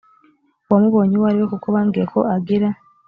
uwamubonye uwo ari we kuko bambwiye ko agira